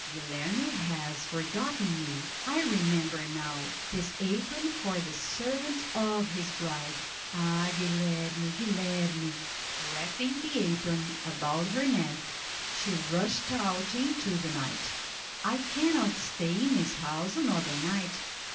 "Guilerme has forgotten me! I remember now: this apron for the servant of his bride. Ah! Guilerme! Guilerme!" Wrapping the apron about her neck, she rushed out into the night. "I cannot stay in this house another night.